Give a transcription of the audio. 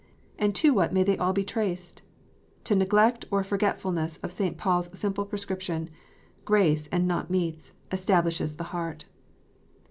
And to what may they all be traced ? To neglect or forgetful ness of St. Paul s simple prescription: Grace, and not meats, establishes the heart."